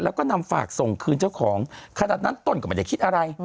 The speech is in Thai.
แล้วก็นำฝากส่งคืนเจ้าของขนาดนั้นต้นก็ไม่ได้คิดอะไร